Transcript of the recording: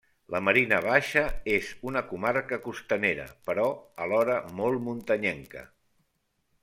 La Marina Baixa és una comarca costanera, però alhora molt muntanyenca.